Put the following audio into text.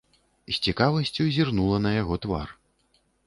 З цікавасцю зірнула на яго твар.